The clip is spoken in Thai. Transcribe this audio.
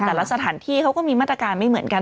สถานที่เขาก็มีมาตรการไม่เหมือนกัน